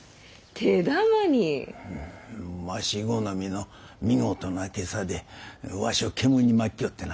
わし好みの見事な袈裟でわしを煙にまきよってな。